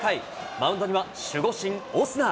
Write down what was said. マウンドには守護神、オスナ。